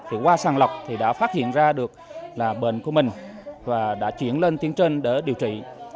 thì qua sàng lọc thì đã phát hiện ra được là bệnh của mình và đã chuyển lên tuyến trên để điều trị